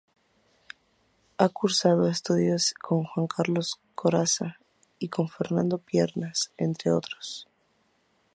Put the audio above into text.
Ha cursado estudios con Juan Carlos Corazza y con Fernando Piernas entre otros.